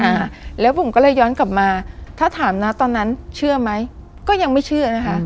อ่าแล้วบุ๋มก็เลยย้อนกลับมาถ้าถามนะตอนนั้นเชื่อไหมก็ยังไม่เชื่อนะคะ